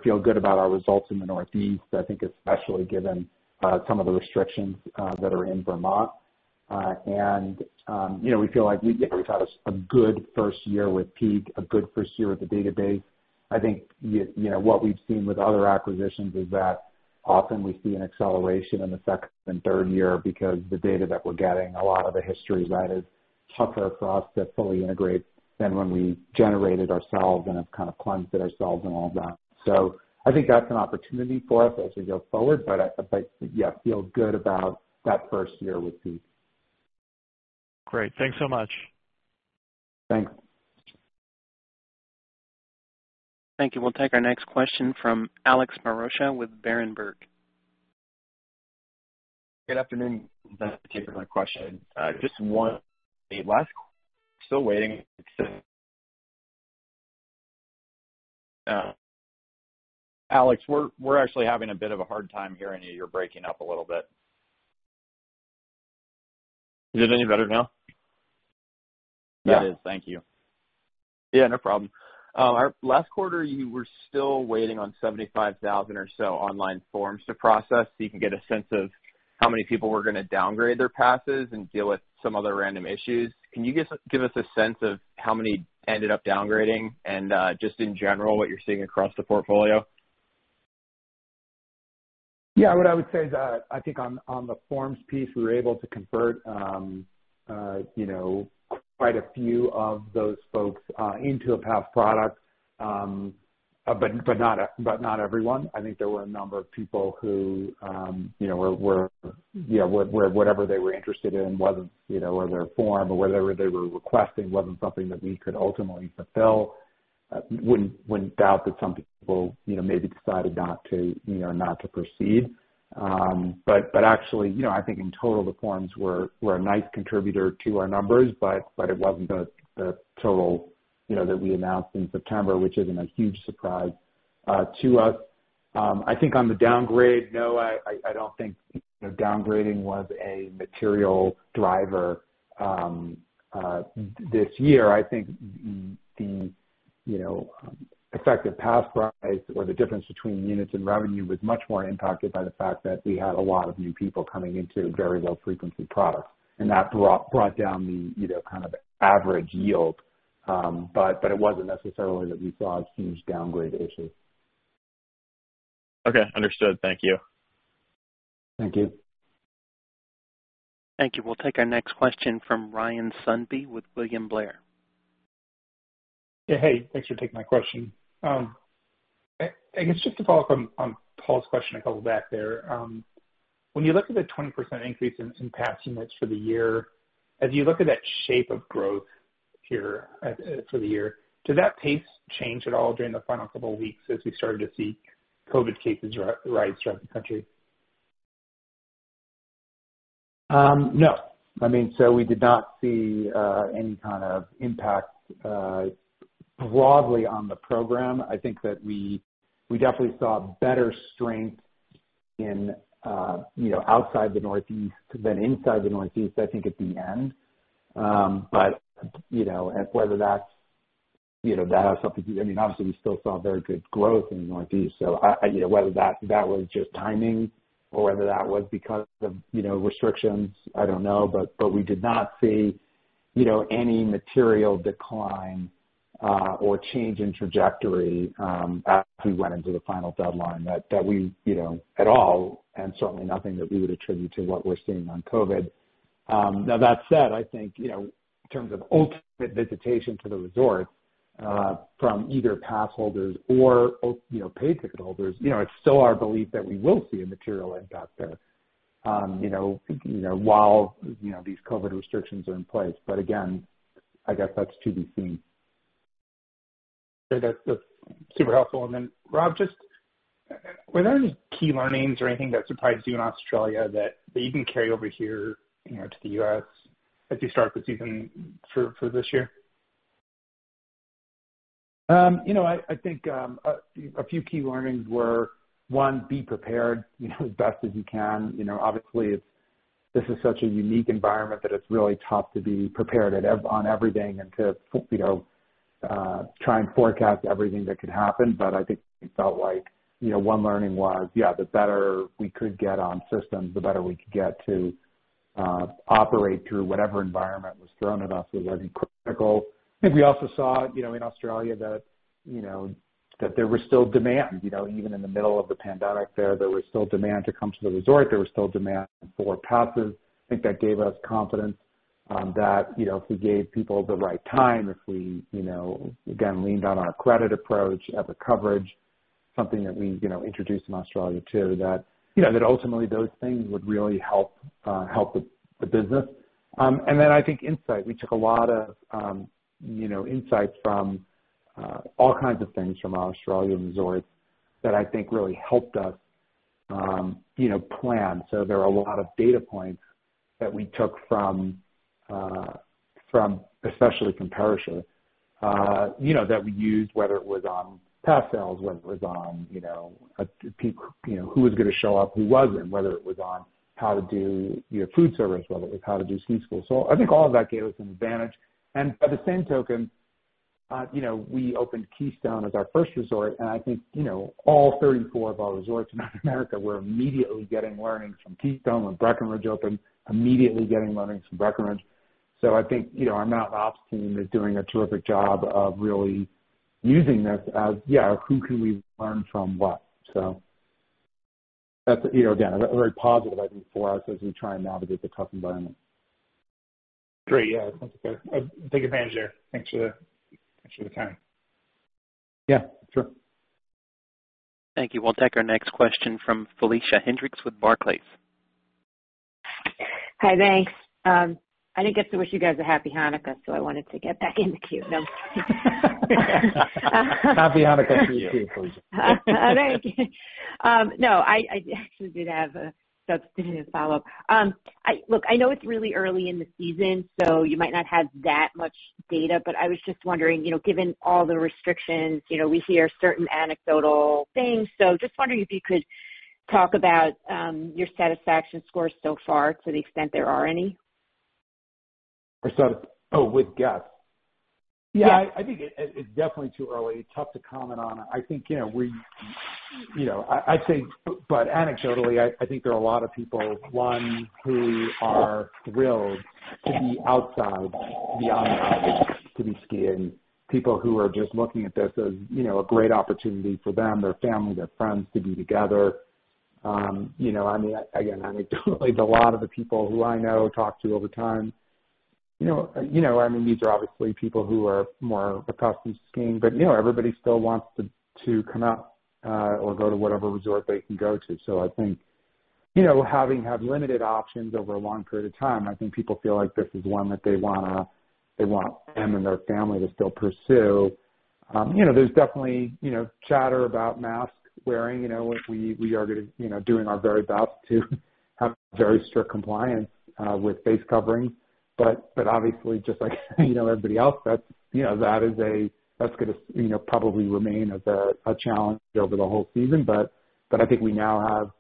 feel good about our results in the Northeast, I think, especially given some of the restrictions that are in Vermont, and we feel like we've had a good first year with Peak, a good first year with the database. I think what we've seen with other acquisitions is that often we see an acceleration in the second and third year because the data that we're getting, a lot of the history is that it's tougher for us to fully integrate than when we generated ourselves and have kind of plugged ourselves and all that, so I think that's an opportunity for us as we go forward, but yeah, feel good about that first year with Peak. Great. Thanks so much. Thanks. Thank you. We'll take our next question from Alex Maroccia with Berenberg. Good afternoon. Thanks for taking my question. Just one last question. Still waiting. Alex, we're actually having a bit of a hard time hearing you. You're breaking up a little bit. Is it any better now? Yeah. That is. Thank you. Yeah. No problem. Last quarter, you were still waiting on 75,000 or so online forms to process. So you can get a sense of how many people were going to downgrade their passes and deal with some other random issues. Can you give us a sense of how many ended up downgrading and just in general what you're seeing across the portfolio? Yeah. What I would say is that I think on the forms piece, we were able to convert quite a few of those folks into a pass product, but not everyone. I think there were a number of people who were whatever they were interested in wasn't or their form or whatever they were requesting wasn't something that we could ultimately fulfill. Wouldn't doubt that some people maybe decided not to proceed. But actually, I think in total, the forms were a nice contributor to our numbers, but it wasn't the total that we announced in September, which isn't a huge surprise to us. I think on the downgrade, no, I don't think downgrading was a material driver this year. I think the effective pass price or the difference between units and revenue was much more impacted by the fact that we had a lot of new people coming into very low-frequency products and that brought down the kind of average yield. But it wasn't necessarily that we saw a huge downgrade issue. Okay. Understood. Thank you. Thank you. Thank you. We'll take our next question from Ryan Sundby with William Blair. Yeah. Hey. Thanks for taking my question. I guess just to follow up on Paul's question a couple back there. When you look at the 20% increase in pass units for the year, as you look at that shape of growth here for the year, did that pace change at all during the final couple of weeks as we started to see COVID cases rise throughout the country? No. I mean, so we did not see any kind of impact broadly on the program. I think that we definitely saw better strength outside the Northeast than inside the Northeast, I think, at the end. But whether that has something to do I mean, obviously, we still saw very good growth in the Northeast. So whether that was just timing or whether that was because of restrictions, I don't know. But we did not see any material decline or change in trajectory as we went into the final deadline that we had at all, and certainly nothing that we would attribute to what we're seeing with COVID. Now, that said, I think in terms of ultimate visitation to the resorts from either pass holders or paid ticket holders, it's still our belief that we will see a material impact there while these COVID restrictions are in place. But again, I guess that's to be seen. That's super helpful. Then, Rob, just were there any key learnings or anything that surprised you in Australia that you can carry over here to the U.S. as you start the season for this year? I think a few key learnings were, one, be prepared as best as you can. Obviously, this is such a unique environment that it's really tough to be prepared on everything and to try and forecast everything that could happen. But I think it felt like one learning was, yeah, the better we could get on systems, the better we could get to operate through whatever environment was thrown at us was critical. I think we also saw in Australia that there was still demand. Even in the middle of the pandemic there, there was still demand to come to the resort. There was still demand for passes. I think that gave us confidence that if we gave people the right time, if we, again, leaned on our credit approach Epic Coverage, something that we introduced in Australia too, that ultimately those things would really help the business. Then I think insight. We took a lot of insight from all kinds of things from Australia and resorts that I think really helped us plan. So there are a lot of data points that we took from especially Perisher that we used, whether it was on pass sales, whether it was on who was going to show up, who wasn't, whether it was on how to do food service, whether it was how to do ski school. So I think all of that gave us an advantage. By the same token, we opened Keystone as our first resort and I think all 34 of our resorts in North America were immediately getting learnings from Keystone when Breckenridge opened, immediately getting learnings from Breckenridge. So I think our Mountain Ops team is doing a terrific job of really using this as, yeah, who can we learn from what? So that's, again, a very positive idea for us as we try and navigate the tough environment. Great. Yeah. Sounds like a big advantage there. Thanks for the time. Yeah. Sure. Thank you. We'll take our next question from Felicia Hendrix with Barclays. Hi. Thanks. I didn't get to wish you guys a happy Hanukkah, so I wanted to get back into queue. No. Happy Hanukkah to you too, Felicia. Thank you. No, I actually did have a substantive follow-up. Look, I know it's really early in the season, so you might not have that much data, but I was just wondering, given all the restrictions, we hear certain anecdotal things, so just wondering if you could talk about your satisfaction scores so far to the extent there are any. Oh, with guests? Yeah. I think it's definitely too early. Tough to comment on it. I think we'd say, but anecdotally, I think there are a lot of people, one, who are thrilled to be outside the mountains to be skiing, people who are just looking at this as a great opportunity for them, their family, their friends to be together. I mean, again, anecdotally, a lot of the people who I know, talk to over time, I mean, these are obviously people who are more accustomed to skiing. But everybody still wants to come out or go to whatever resort they can go to. So I think having had limited options over a long period of time, I think people feel like this is one that they want them and their family to still pursue. There's definitely chatter about mask wearing. We are doing our very best to have very strict compliance with face covering. But obviously, just like everybody else, that's going to probably remain as a challenge over the whole season. But I think we now have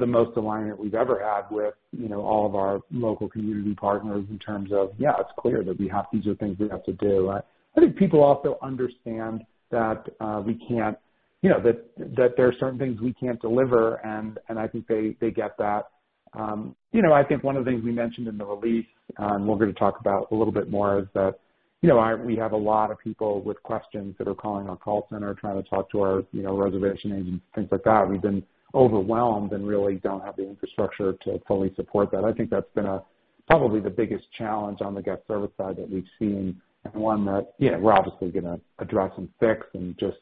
the most alignment we've ever had with all of our local community partners in terms of, yeah, it's clear that these are things we have to do. I think people also understand that we can't, that there are certain things we can't deliver and I think they get that. I think one of the things we mentioned in the release, and we're going to talk about a little bit more, is that we have a lot of people with questions that are calling our call center, trying to talk to our reservation agents, things like that. We've been overwhelmed and really don't have the infrastructure to fully support that. I think that's been probably the biggest challenge on the guest service side that we've seen and one that we're obviously going to address and fix and just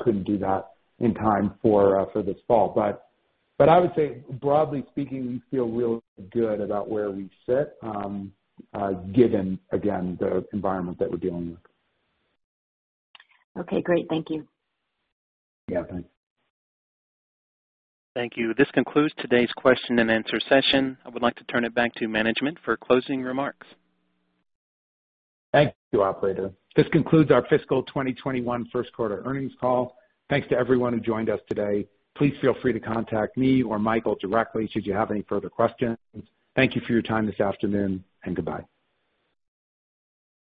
couldn't do that in time for this fall. But I would say, broadly speaking, we feel really good about where we sit, given, again, the environment that we're dealing with. Okay. Great. Thank you. Yeah. Thanks. Thank you. This concludes today's question and answer session. I would like to turn it back to management for closing remarks. Thank you, operator. This concludes our fiscal 2021 Q1 earnings call. Thanks to everyone who joined us today. Please feel free to contact me or Michael directly should you have any further questions. Thank you for your time this afternoon, and goodbye.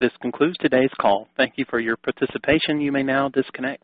This concludes today's call. Thank you for your participation. You may now disconnect.